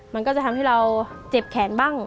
มันก็จะทำให้เราเจ็บแขนบ้าง